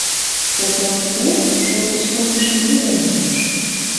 Сопром Епрем шовыч кылдышым руден ончыш.